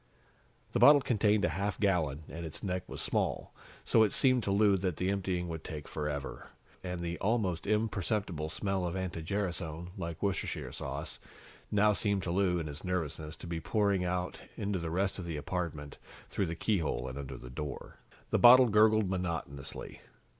The bottle contained a half gallon, and its neck was small, so it seemed to Lou that the emptying would take forever. And the almost imperceptible smell of anti gerasone, like Worcestershire sauce, now seemed to Lou, in his nervousness, to be pouring out into the rest of the apartment, through the keyhole and under the door. The bottle gurgled monotonously.